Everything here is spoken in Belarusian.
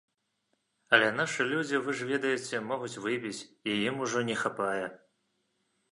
Але нашы людзі, вы ж ведаеце, могуць выпіць, і ім ужо не хапае.